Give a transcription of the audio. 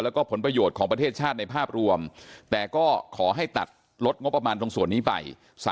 แล้วก็ผลประโยชน์ของประเทศชาติในภาพรวมแต่ก็ขอให้ตัดลดงบประมาณตรงส่วนนี้ไป